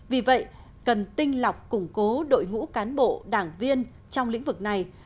vì vậy cần tinh lọc củng cố đội ngũ cán bộ đảng viên trong lĩnh vực này